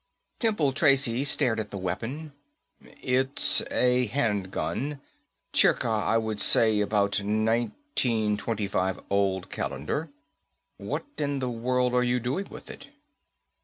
Temple Tracy stared at the weapon. "It's a handgun, circa, I would say, about 1925 Old Calendar. What in the world are you doing with it?"